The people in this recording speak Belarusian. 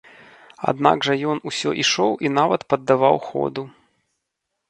Аднак жа ён усё ішоў і нават паддаваў ходу.